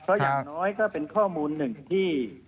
เพราะอย่างน้อยก็เป็นข้อมูลหนึ่งที่